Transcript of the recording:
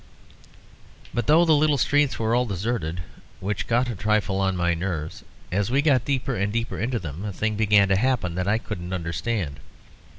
"But though the little streets were all deserted (which got a trifle on my nerves), as we got deeper and deeper into them, a thing began to happen that I couldn't understand.